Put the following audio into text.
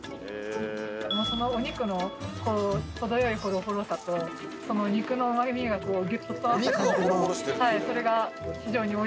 お肉の程よいホロホロさとその肉のうまみがギュッと詰まった感じのそれが非常においしかったですね。